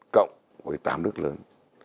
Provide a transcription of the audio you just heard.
cộng với tám nước lớn